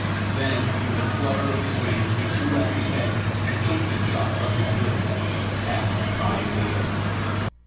Then with a flutter of his wings he threw back his head, and something shot from his bill, cast high in the air.